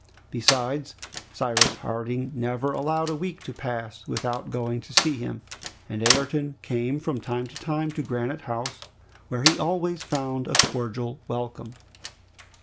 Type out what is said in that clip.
Besides, Cyrus Harding never allowed a week to pass without going to see him, and Ayrton came from time to time to Granite House, where he always found a cordial welcome.